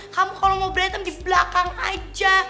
kamu kalau mau berantem di belakang aja